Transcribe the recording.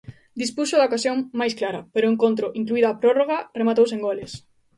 Dispuxo da ocasión máis clara, pero o encontro, incluída a prórroga, rematou sen goles.